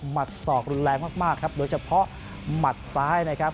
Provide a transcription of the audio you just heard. ศอกรุนแรงมากครับโดยเฉพาะหมัดซ้ายนะครับ